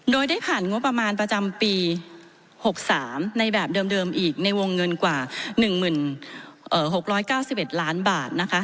โดยได้ผ่านงบประมาณประจำปี๖๓ในแบบเดิมอีกในวงเงินกว่า๑๖๙๑ล้านบาท